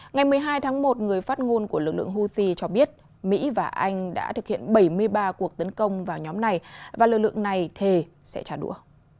ngày một mươi hai tháng một người phát ngôn của lực lượng house cho biết mỹ và anh đã thực hiện bảy mươi ba cuộc tấn công vào nhóm này và lực lượng này thề sẽ trả đũa